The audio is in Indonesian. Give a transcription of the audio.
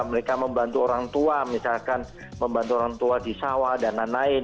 mereka membantu orang tua misalkan membantu orang tua di sawah dan lain lain